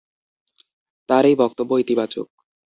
তাঁর এই বক্তব্য ইতিবাচক।